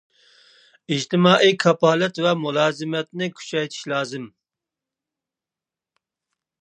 ئىجتىمائىي كاپالەت ۋە مۇلازىمەتنى كۈچەيتىش لازىم.